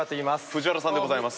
藤原さんでございます。